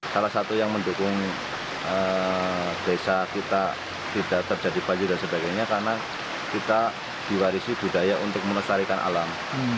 salah satu yang mendukung desa kita tidak terjadi banjir dan sebagainya karena kita diwarisi budaya untuk melestarikan alam